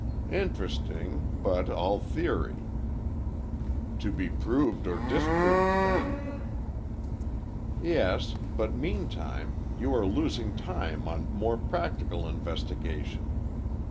"Interesting—but all theory." "To be proved or disproved, then." "Yes, but meantime, you are losing time on more practical investigation.